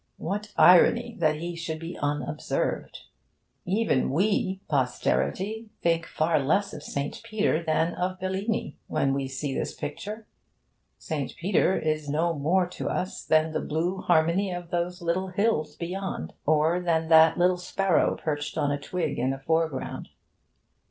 What irony that he should be unobserved! Even we, posterity, think far less of St. Peter than of Bellini when we see this picture; St. Peter is no more to us than the blue harmony of those little hills beyond, or than that little sparrow perched on a twig in the foreground.